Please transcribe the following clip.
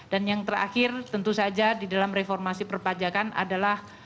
dan yang terakhir tentu saja di dalam reformasi perpajakan adalah